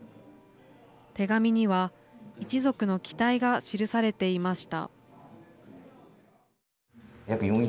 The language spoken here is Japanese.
手紙には一族の期待が記されていました。